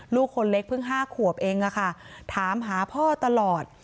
ลูกคนเล็กเพิ่ง๕ขวบเองอะค่ะถามหาพ่อตลอด